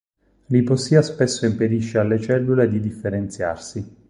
L'ipossia spesso impedisce alle cellule di differenziarsi.